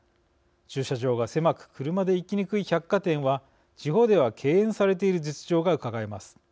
駐車場が狭く車で行きにくい百貨店は地方では敬遠されている実情がうかがえます。